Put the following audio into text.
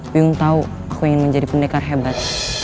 bingung tahu aku ingin menjadi pendekar hebat